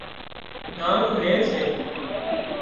ۮان لي سي